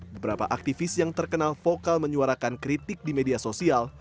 beberapa aktivis yang terkenal vokal menyuarakan kritik di media sosial